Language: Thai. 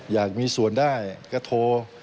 อยากมีส่วนได้ก็โทร